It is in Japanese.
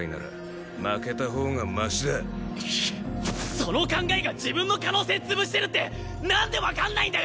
その考えが自分の可能性潰してるってなんでわかんないんだよ！